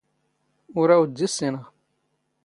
ⵓⵔ ⴰⵡⴷⴷⵉ ⵙⵙⵉⵏⵖ.